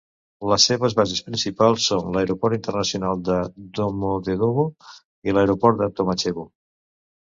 Les seves bases principals son l'aeroport internacional de Domodedovo i l'aeroport de Tomachevo.